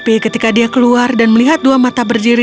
tapi ketika dia keluar dan melihat dua mata berdiri